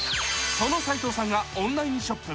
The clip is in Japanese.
その斎藤さんがオンラインショップ